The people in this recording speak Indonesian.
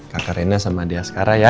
kakak rena sama dia sekarang ya